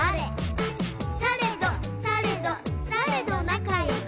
「されどされどされど仲よく」